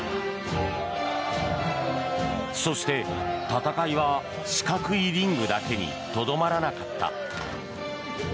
そして、戦いは四角いリングだけにとどまらなかった。